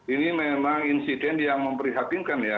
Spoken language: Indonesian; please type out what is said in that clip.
ini memang insiden yang memprihatinkan ya